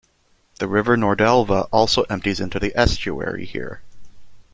The river Nordelva also empties into the estuary here.